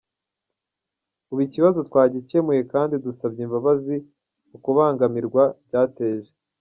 "Ubu ikibazo twagicyemuye kandi dusabye imbabazi ku kubangamirwa byateje".